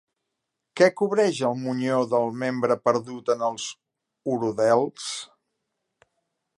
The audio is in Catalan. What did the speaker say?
Què cobreix el monyó del membre perdut en els urodels?